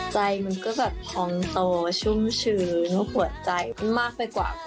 ใจมันก็แบบพองโตชุ่มชื้นหัวใจมากไปกว่า